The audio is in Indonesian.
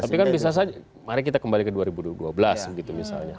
tapi kan bisa saja mari kita kembali ke dua ribu dua belas gitu misalnya